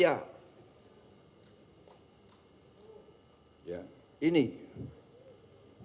harus hati kita yang kita mantapkan